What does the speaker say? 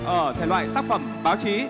ở thể loại tác phẩm báo chí